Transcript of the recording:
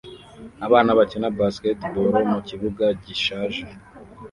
Abana bakina basketball mu kibuga gishaje